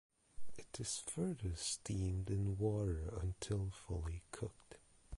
It is further steamed in water until fully cooked.